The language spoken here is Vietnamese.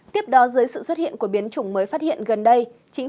tiếp đó dưới sự xuất hiện của biến chủng mới phát hiện gần đây